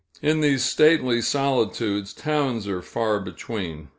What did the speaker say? In these stately solitudes, towns are far between.